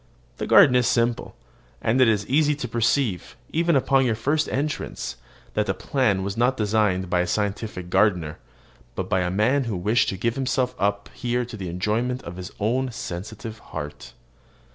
The garden is simple; and it is easy to perceive, even upon your first entrance, that the plan was not designed by a scientific gardener, but by a man who wished to give himself up here to the enjoyment of his own sensitive heart.